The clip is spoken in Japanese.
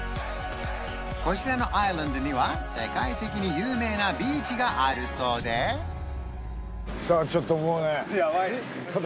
こちらのアイランドには世界的に有名なビーチがあるそうでさあちょっともうね